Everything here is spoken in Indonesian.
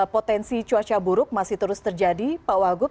potensi cuaca buruk masih terus terjadi pak wagub